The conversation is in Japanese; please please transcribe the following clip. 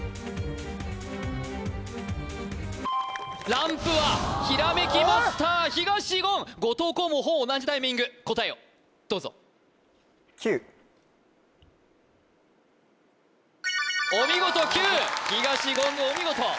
ランプはひらめきマスター東言後藤弘もほぼ同じタイミング答えをどうぞお見事九東言お見事言